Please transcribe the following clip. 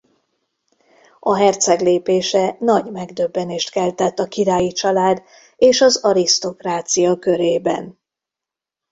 A herceg lépése nagy megdöbbenést keltett a királyi család és az arisztokrácia körében.